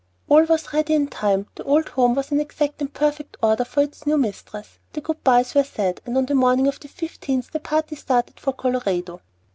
All was ready in time; the old home was in exact and perfect order for its new mistress, the good bys were said, and on the morning of the fifteenth the party started for Colorado.